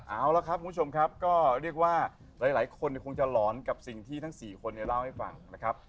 เอาละครับคุณผู้ชมครับก็เรียกว่าหลายคนคงจะหลอนกับสิ่งที่ทั้ง๔คนเล่าให้ฟังนะครับ